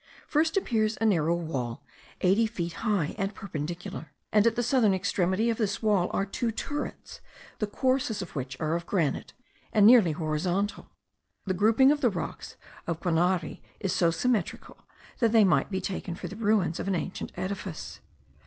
First appears a narrow wall eighty feet high, and perpendicular; and at the southern extremity of this wall are two turrets, the courses of which are of granite, and nearly horizontal. The grouping of the rocks of Guanari is so symmetrical that they might be taken for the ruins of an ancient edifice.